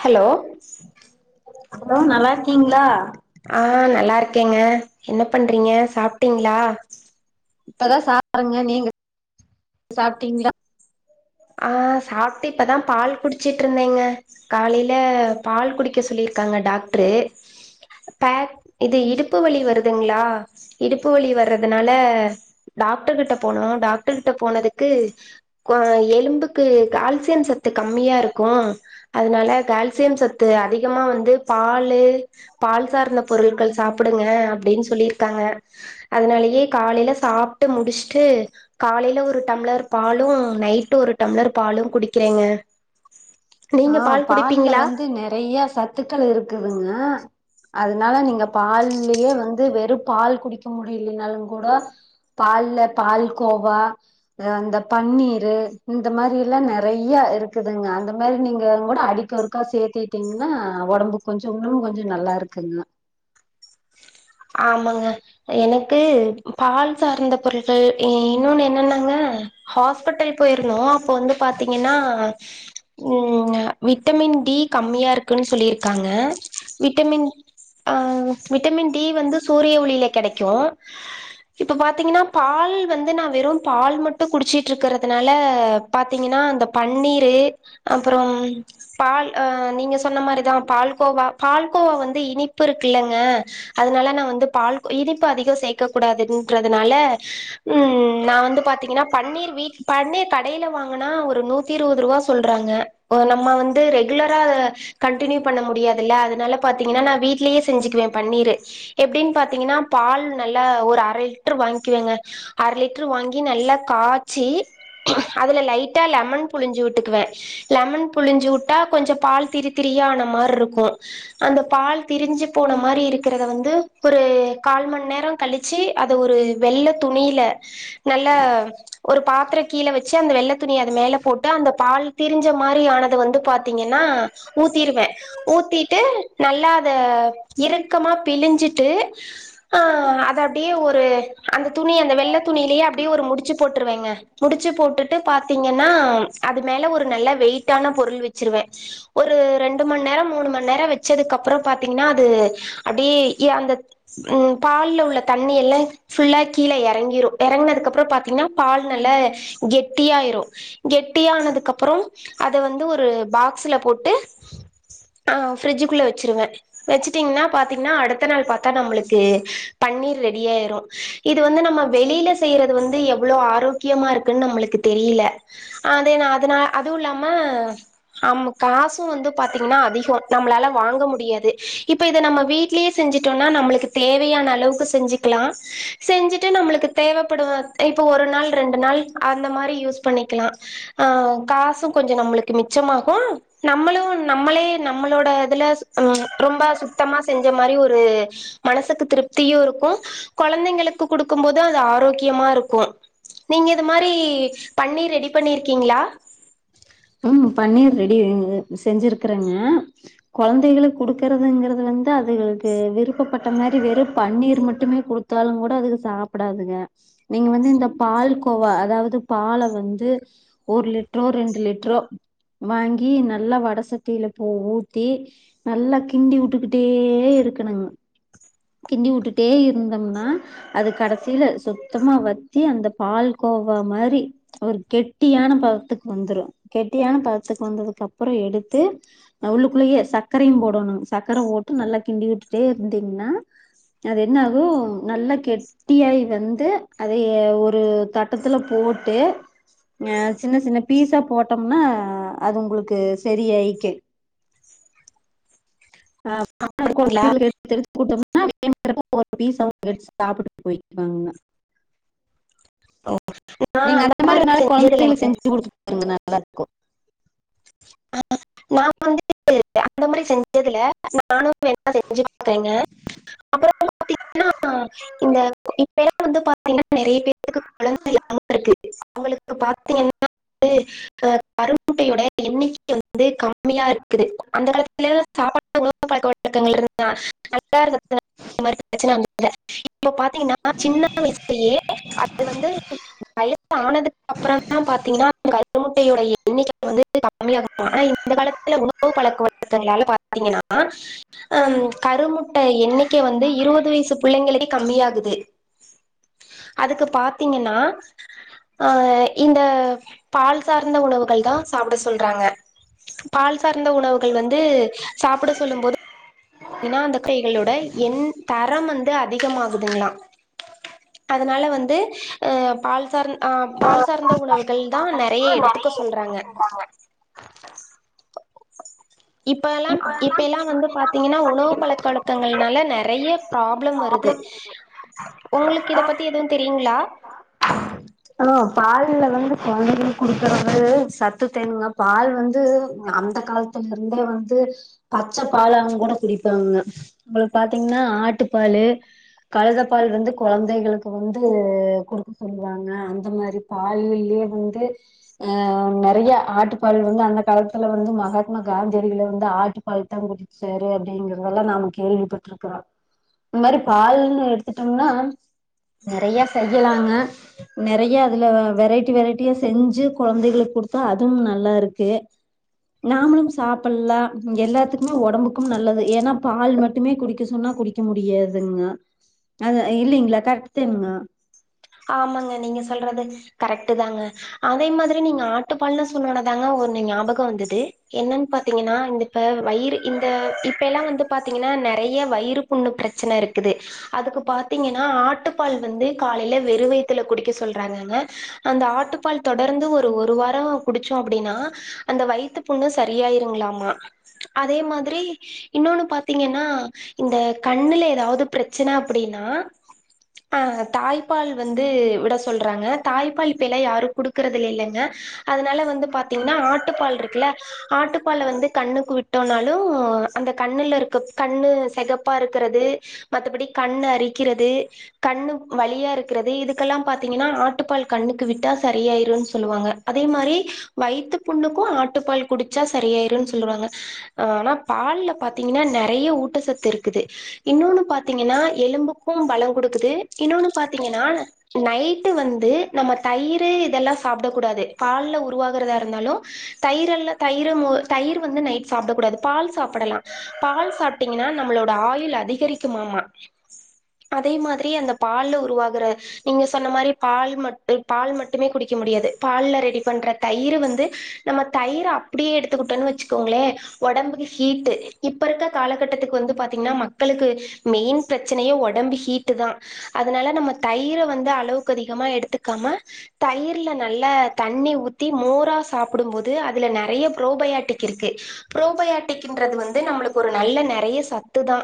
Hello அப்றோ நல்லாருக்கீங்களா ஆ நல்லாருக்கேங்க என்ன பண்றீங்க சாப்டீங்ளா இப்பதா சாப்பறேங்க நீங்க சாப்டீங்ளா ஆ சாப்ட்டு இப்பதா பால் குடிச்சிட்ருந்தேங்க காலையில பால் குடிக்க சொல்லிருக்காங்க டாக்ட்ரு பேக் இது இடுப்பு வலி வருதுங்களா இடுப்பு வலி வறதுனால டாக்டரு கிட்ட போனோ டாக்டர் கிட்ட போனதுக்கு கொ எ லும்புக்கு கால்சியம் சத்து கம்மியா இருக்கு அதனால கால்சியம் சத்து அதிகமா வந்து பாலு பால் சார்ந்த பொருட்கள் சாப்புடுங்க அப்டின் சொல்லிருக்காங்க அதனாலயே காலைல சாப்ட்டு முடிச்சுட்டு காலைல ஒரு டம்ளர் பாலு நைட்டு ஒரு டம்ளர் பாலு குடிக்கிறேங்க நீங்க ஆ பால் பால்ல குடிப்பீங்களா வந்து நெறைய சத்துக்கள் இருக்குதுங்க அதுனால நீங்க பால்லயே வந்து வெறு பால் குடிக்க முடிய்லின்னாலுங் கூட பால்ல பால் கோவா அ அந்த பன்னீரு இந்த மாரி எல்லா நெறைய இருக்குதுங்க அந்த மாரி நீங்க கூட அடிக்கி ஒருக்கா சேத்திட்டீங்கன்னா ஒடம்பு கொஞ்சொ இன்னுமு கொஞ்ச நல்லா இருக்குங்க ஆமாங்க எனக்கு பால் சார்ந்த பொருட்கள் ஈ இன்னொன்னு என்னன்னாங்க ஹாஸ்பிட்டல் போயிருந்தோ அப்போ வந்து பாத்தீங்கன்னா ம் விட்டமின் டி கம்மியா இருக்குன் சொல்லி இருக்காங்க விட்டமின் ஆ விட்டமின் டி வந்து சூரிய ஒளில கெடைக்கு இப்ப பாத்தீங்கன்னா பால் வந்து நா வெறு பால் மட்டு குடிச்சிட்ருக்குறதுனால பாத்தீங்கன்னா அந்த பன்னீரு அப்பறம் பால் அ நீங்க சொன்ன மாரிதா பால் கோவா பால் கோவா வந்து இனிப்பு இருக்குல்லங்க அதுனால நா வந்து பால் இனிப்பு அதிகொ சேர்க்கக் கூடாதுன்றதுனால ம் நா வந்து பாத்தீங்கன்னா பன்னீர் வீ பன்னீர் கடைல வாங்குனா ஒரு நூத்தி இருவதுருவா சொல்றாங்க ஒ நம்ம வந்து ரெகுலரா கண்டினியூ பண்ண முடியாதுல்ல அதுனால பாத்தீங்கன்னா நா வீட்லயே செஞ்சுக்குவே பன்னீரு எப்டின் பாத்தீங்கன்னா பால் நல்லா ஒரு அர லிட்ரு வாய்ங்க்கிவேங்க அர லிட்ரு வாங்கி நல்லா காச்சி அதுல லைட்டா லெமன் புழிஞ்சு உட்டுக்குவே லெமன் புழிஞ்சு உட்டா கொஞ்ச பால் திரித்திரியான மார் ருக்கு அந்த பால் திரிஞ்சு போன மாரி இரு க்குறத வந்து ஒரு கால் மண் நேரொ கழிச்சி அத ஒரு வெள்ள துணியில நல்ல ஒரு பாத்ரொ கீழ வச்சு அந்த வெள்ள துணிய அது மேல போட்டு அந்த பால் திரிஞ்ச மாரி ஆனத வந்து பாத்தீங்கன்னா ஊத்திருவே ஊத்திட்டு நல்லா அத இரு க்கமா பிழிஞ்சிட்டு ஆ அத அப்டியே ஒரு அந்த துணி அந்த வெள்ள துணிய்லயே அப்டியே ஒரு முடிச்சு போட்ருவேங்க முடிச்ச போட்டுட்டு பாத்தீங்கன்னா அது மேல ஒரு நல்ல வெயிட்டான பொருள் வச்சிருவே ஒரு ரெண்டு மண் நேரம் மூணு மண் நேரம் வச்சதுக்கப்பறொ பாத்தீங்னா அது அப்டியே இ அந்த ம் பால்ல உள்ள தண்ணி எல்லா ஃபுல்லா கீழே எ றங்கிரு எறங்குனதுக்கப்றொ பாத்தீங்னா பால் நல்லா கெட்டியாய்ரு கெட்டியானதுக்கப்றொ அத வந்து ஒரு பாக்ஸுல போட் டு ஆ ஃப்ரிட்ஜுக்குள்ள வெச்சிருவ வெச்சட்டீங்னா பாத்தீங்னா அடுத்த நாள் பாத்தா நம்மளுக்கு பன்னீர் ரெடியாய்ரு இது வந்து நம்ம வெளில செய்றது வந்து எவ்ளோ ஆரோக்கியமா இருக்குன் நம்மளுக்கு தெரிய்ல அ அதே நா அதுனால அதுவு இல்லாம ஆம காசு வந்து பாத்தீங்கன்னா அதிகொ நம்ளால வாங்க முடியாது இப்ப இத நம்ம வீட்லயே செஞ்சுட்டோன்னா நம்மளுக்கு தேவையான அளவுக்கு செஞ்சிக்லா செஞ்சுட்டு நம்மளுக்கு தேவப்படு இப்ப ஒரு நாள் ரெண்டு நாள் அந்த மாரி யூஸ் பண்ணிக்கெலா ஆ காசு கொஞ்சொ நம்மளுக்கு மிச்சமாக நம்மளு நம்மளே நம்மளோட இதுல ம் ரொம்ப சுத்தமா செஞ்ச மாரி ஒரு மனசுக்கு திருப்த்தியு இருக்கு கொழந்தைங்களுக்கு குடுக்கும் போ து அது ஆரோக்கியமா இருக்கு நீங்க இது மாரி பன்னீர் ரெடி பண்ணிருக்கீங்ளா ம் பன்னீர் ரெடி செஞ்சிருக்குறங்க கொழந்தைகளுக் குடுக்கறதுங்குறது வந்து அதுகளுக்கு விருப்பப்பட்ட மாரி வெறு பன்னீர் மட்டுமே குடுத்தாலுங் கூட அதுக சாப்டாதுக நீங்க வந்து இந்த பால் கோவா அதாவது பால வந்து ஒரு லிட்ரோ ரெண்டு லிட் ட்ரு வாங்கி நல்லா வட சட்டில போட்டி நல்லா கிண்டி உட்டுக்குட்டே இருக்கணுங் கிண்டி உட்டுட்டே இருந்தம்னா அது கடசீல சுத்தமா வத்தி அந்த பால் கோவா மாரி ஒரு கெட்டியான பதத்துக்கு வந்த்ரு கெட்டியான பதத்துக்கு வந்ததுக்கப்பறொ எடுத்து ந உள்ளுக்குள்ளயே சக்கரையும் போடணுங் சக்கரப் போட்டு நல்லா கிண்டி உட்டுட்டே இருந்தீங்னா அது என்ன ஆகு நல்லா கெட்டியாயி வந்து அதயே ஒரு தட்டத்துல போட்டு ஆ சின்னச் சின்ன பீஸா போட் டம்னா அது உங்களுக்கு சரியாய் கெ ஆ [inaudible] அப்டிங்களா அடுத்த டைம் போறப்ப ஒரு பீஸா கட்ஸ் சாப்ட்டுட்டு போயி வாங்க நீங்க அந்த மாரி ஒரு நாளைக்கு கொழந்தை செஞ்சு குடுத்துங்க நல்லா கு ஆ நா வந்து அந்த மாரி செஞ்சதில்ல செஞ்சி நானும் வேண்ணா செஞ்சி பாக்கறேங்க அப்பறம் பாத்தீங்கன்னா இந்த பொற வந்து பாத்தீங்க நெறைய பேருக்கு கொழந்தை இல்லாம இருக்கு அவங்ளுக்கு பாத்தீங்கன்னா கரு மூட்டையோடே என்னிக் வந்து கா மியா இருக்குறது அந்த கல சாப்பாடு உணவு பழக்கழக்கங்கள் இருந்தா [inaudible] இப்ப பாத்தீங்கன்னா சின்ன வய்சுலயே அது வந்து வயச ஆனதுக்கு அப்புறந்தா பாத்தீங்கன்னா முட்டையோட எண்ணிக்கை வந்து கம்மியாக ஆன இந்த காலத்தில உணவு பழக்கவழக்கங்கள் பாத் பாத்தீங்கன்னா அ கருமுட்டை எண்ணிக்க வந்து இருபது வயசு புள்ளைங்களுக்கே கம்மியாகுது அதுக்கு பாத்தீங்கன்னா அ இந்த பால் சார்ந்த உணவுகள் தா சாப்ட சொல்றாங்க பால் சார்ந்த உணவுகள் வந்து சாப்ட சொல்லும் போது ஏன்னா அந்த டைகளோட என் தரம் வந்து அதிகமாகுதுங்ளா அதனால வந்து அ பால் சார்ந் அ பால் சார்ந்த உணவுகள் தா நெறைய எடுத்துக்க சொல்றாங்க இப்ப எல்லா இப்ப எல்லா வந்து பாத்தீங்ன்னா உணவு பழக்கவழக்கங்கல்னால நெறைய ப்ராப்ளம் வருது உங்ளுக்கு இத பத்தி எதுவு தெரியுங்ளா ஸ்கூல்ல வந்து கொழந்தைகலுக்கு குடுக்கறது சத்து தேருங்க பால் வந்து அந்த காலத்துல இருந்தே வந்து பச்ச பால அவங்க கூட குடிப்பாங்க அவங்ளுக்கு பாத்தீங்கன்னா ஆட்டு பாலு கழுத பால் வந்து கொழந்தைகளுக்கு வந்து குடுக்க சொல்லுவாங்க இந்த மாதிரி பால்லியே வந்து அ நெறிய ஆட்டு பால் வந்து அந்த காலத்துல வந்து மகாத்மா காந்தியடில வந்து ஆட்டு பால் தா குடிச்சாரு அப்படிங்கறதெல்லா நாம கேள்விப்பட்டிருக்கிறோ இந் மாரி பால்னு எடுத்துட்டோம்னா நறைய செய்யலாங்க நெறிய அதுல வெரைட்டி வெரைட்டியா செஞ்சு கொழந்தைகளுக்கு குடுத்தா அதுவும் நல்லா இருக்கு நாமளு சாப்பலாம் எல்லாத்துக்குமே உடம்புக்கு நல்லது ஏன்னா பால் மட்டுமே குடிக்க சொன்னா குடிக்க முடியாதுங்க அது இல்லிங்ளா கரெக்ட்டுதேனுங்க ஆமாங்க நீங்க சொல்றது கரெக்ட் தாங்க அதே மாத்ரி நீங்க ஆட்டுப்பால்னு சொன்னோதாங்க ஒன்னு ஞாபக வந்துது என்னன்னு பாத்தீங்கன்னா இந்தப்ப வயிறு இந்த இப்ப எல்லா வந்து பாத்தீங்கன்னா நெறைய வயிறு புண்ணு பிரச்சன இருக்குது அதுக்கு பாத்தீங்கன்னா ஆட்டுப்பால் வந்து காலைல வெறு வைத்துல குடிக்க சொல்றாங்கங்க அந்த ஆட்டுப்பால் தொடர்ந்து ஒரு ஒரு வாரோ குடிச்சோ அப்டின்னா அந்த வயித்து புண்ணு சரியாயிருங்ளாமா அதே மாத்ரி இன்னொன்னு பாத்தீங்கன்னா இந்த கண்ணுல ஏதாவது ப்ரச்சன அப்புடினா தாய் பால் வந்து விட சொல்றாங்க தாய்பால் இப்ப எலா யாரு குடுக்குறது இல்லிங்கல அதனால வந்து பாத்தீங்கன்னா ஆட்டுப்பால் இருக்குல்ல ஆட்டுப்பால் வந்து கண்ணுக்கு விட்டோனாலு அந்த கண்ணுல இருக்க கண்ணு சிகப்பா இருக்கறது மத்தபடி கண்ணு அரிக்கிறது கண்ணு வழியா இரு இதுக்கெல்ல பாத்தீங்கன்னா ஆட்டுப்பால் கண்ணுக்கு விட்டா சரியாயிருன்னு சொல்லுவாங்க அதே மாரி வயத்து புண்ணுக்கும் ஆட்டு பால் குடிச்சா சரியாயிருன் சொல்லுவாங்க ஆனா பால்ல பாத்தீங்ன்னா நெறிய ஊட்டசத்து இருக்குது இன்னுநொன்னு பாத்தீங்கன்னா எலும்புக்கு பல குடுக்குது இன்னொன்னு பாத் நைட்டு வந்து நம்ம தயிரு இதலா சாப்டக்கூடாது பால் உருவாகிறதா இருந்தாலு தயிரெல்லா தயிரு வந்து நைட்டு சாப்டக்கூடாது பால் சாப்டலா பால் சாப்பிட்டீங்கன்னா நம்மளோட ஆயுல் அதிகரிக்குமாமா அதே மாத்ரி அந்த பால்ல உருவா நீங்க சொன்னமாரி பால் மட் பால் மட்டுமே குடிக்க முடியாது பால்ல ரெடி பண்ற தயிர் வந்து நம்ம தயிர அப்டியே எடுத்துக்குட்டோன்னு வச்சுக்கோங்ளே ஒடம்புக்கு ஹீட்டு இப்ப இருக்க காலகட்டத்துக்கு வந்து பாதீகண்ணா மக்களுக்கு மெயின் ப்ரச்சனயே ஒடம்பு ஹீட்டு தா அதனால நம்ம தயிர வந்து அளவுக்கு அதிகமா எடுத்துக்காம தயிர்ல நல்ல தண்ணி ஊத்தி மோரா சாப்புடும்போது அதுல நெறைய ப்ரோபையாட்டிக் இருக்கு பரோபையாட்டிக்ன்றது வந்து நம்மளுக்கு ஒரு நல்ல நறைய சத்து தா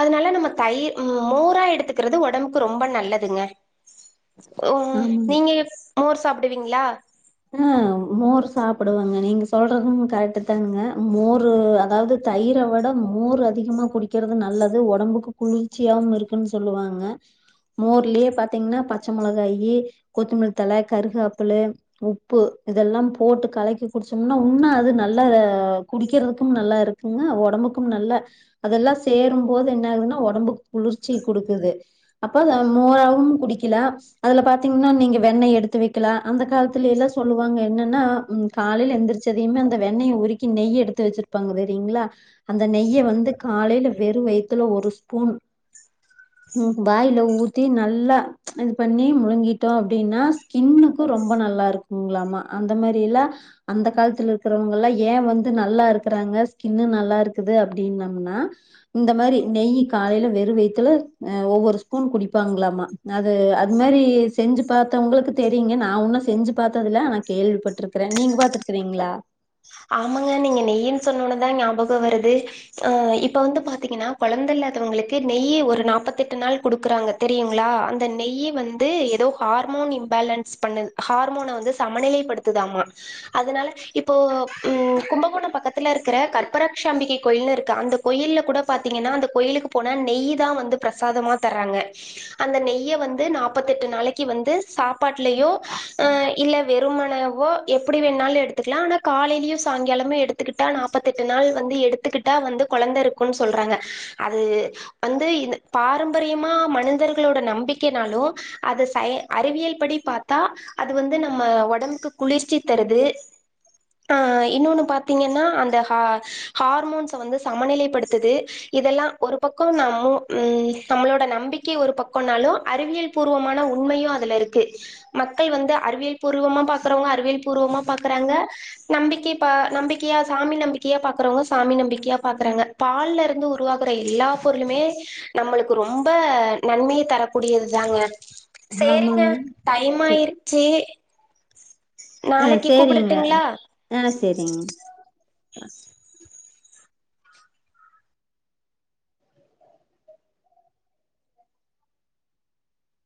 அதனால நம்ம தயிர் மோரா எடுத்துக்கிறது ஒடம்புக்கு ரொ ரொம்ப நல்லதுங்க ஓ ஆமாங்க நீங்க மோர் சாப்டுவீங்ளா அ மோர் சாப்டுவங்க நீங்க சொல்றது கரெக்ட் தானுங்க மோரு அதாவ்து தயிர விட மோர் அதிகமா குடிக்கிறது நல்லது ஒடம்புக்கு குளிர்ச்சியாவு இருக்குன்னு சொல்லுவாங்க மோர்லியே பாத்தீங்ன்னா பச்ச மொளகாயி கொத்தமலித்தழ கருகாப்புலு உப்பு இதல்லா போட்டு கலக்கி குடிச்சம்னா உன்னா அது நல்லா குடிக்கிறதுக்கு நல்லாருக்குங்க ஒடம்புக்கும் நல்ல அதெல்லா சேரும்போது என்ன ஆகுன்னா ஒடம்புக்கு குளிர்ச்சி குடுக்குது அப்ப அத மோராவும் குடிக்கில அதுல பாத்தீங்ன்னா நீங்க வெண்ணெய் எடுத்துவெக்கலா அந்த காலத் த்துலே எல்லா சொல்லுவாங்க என்னன்னா காலைல எந்திரிச்சதையுமே அந்த வெண்ணய உருக்கி நெய் எடுத்து வச்சிருப்பாங்க தெரியுங்ளா அந்த நெய்ய வந்து காலைல வெறு வயித்துல ஒரு ஸ்பூன் வாயில ஊத்தி நல்லா இது பண்ணி முழுங்கிடோ அப்டின்னா ஸ்கின்னுுக்கு ரொம்ப நல்லா இருக்குங்ளாமா அந்த மாரி எல்லா அந்த காலத்துல இருக்கிறவங்கள்ள ஏ வந்து நல்லா இருக்றாங்க ஸ்கின் நல்லா இருக்குது அப்டின்னம்னா இந்த மாரி நெய் காலைல வெரூ வைத்துல ஒவ்வொரு ஸ்பூன் குடிப்பாங்களாமா அது அது மாரி செஞ்சு பாத்தவங்களுக்கு தெரியுங்க நா உன்னு செஞ்சு பாத்ததுல ஆன கேள்விப்பட்ருக்றே நீங்க பாத்துருக்றீங்ளா ஆமாங்க நீங்க நெய்யின்னு சொன்னோன்னதா ஞாபகம் வருது அ இப்ப வந்து பாத்தீங்கன்னா கொழந்த இல்லாதவங்ளுக்கு நெய்யி ஒரு நாப்பத்தட்டு நாள் குடுக்கறாங்க தெரியுங்ளா அந்த நெய்யி வந்து ஏதோ ஹார்மோன் இம்பேலன்ஸ் பண்ணுது ஹார்மோன வந்து சமநிலைப்படுத்துதாமா அதனால இப்போ ம் கும்பகோணம் பக்கத்துல இருக்கிற கற்பரக்ஷாம்பிகை கோயில்னு இருக்கு அந்த கோயில்ல கூட பாத்தீங்கன்னா அந்த கோயிலுக்கு போனா நெய் தா வந்து பிரசாதமா தறாங்க அந்த நெய்ய வந்து நாப்பத்தெட்டு நாளைக்கு வந்து சாப்பாட்லயோ அஹ் இல்ல வெறுமனவோ எப்புடி வேன்ணாலும் எடுத்துக்லா ஆனா காலில் டியூ சாய்ங்காலமு எடுத்துகிட்டா நாப்பத் தெட்டு நாள் வந்து எடுத்துகிட்டா வந்து கொழந்த இருக்குன் சொல்றாங்க அது வந்து இந்த பாரம்பரியமா மனிதர்களோட நம்பிக்கைனாலு அது சை அறிவியல் படி பாத்தா அது வந்து நம்ம ஒடம்புக்கு குளிர்ச்சி தருது ஆ இன்னொன்னு பாத்தீங்கன்னா அந்த ஹா ஹார்மோன்ஸ வந்து சமநிலைப்படுத்துது இதெல்லா ஒரு பக்க நம்மு உம் நம்மளோட நம்பிக்கை ஒரு பக்கனாலு அறிவியல் பூர்வமான உண்மையு அதுல இருக்கு மக்கள் வந்து அறிவியல் பூர்வமா பாக்குறவங்க அறிவியல் பூர்வமா பாக்கறாங்க நம்பிக்கை பா நம்பிக்கையா சாமி நம்பிக்கையா பாக்குறவங்க சாமி நம்பிக்கையா பாக்கறாங்க பால்ல இருந்து உருவாகுற எல்லாப் பொருளுமே நம்மளுக்கு ரொம்ப நன்மைத் தரக்கூடியது தாங்க சேரிங்க ஆமாங்க டைமாயிருச்சி ஆ நாளைக்கு சேரிங்க கூப்டுட்டுங்களா. ஆ செரிங் [inaudible]